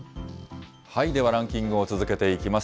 ではランキングを続けていきます。